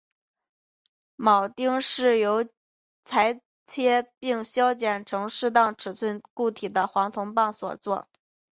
铆钉是由裁切并削尖成适当尺寸的固体黄铜棒所做。